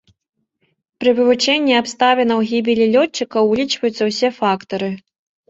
Пры вывучэнні абставінаў гібелі лётчыкаў улічваюцца ўсе фактары.